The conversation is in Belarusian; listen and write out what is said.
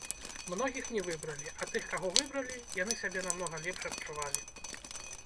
Многіх не выбралі, а тых каго выбралі, яны сябе намнога лепш адчувалі.